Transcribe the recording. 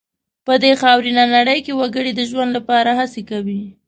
په دې خاورینه نړۍ کې وګړي د ژوند لپاره هڅې کوي.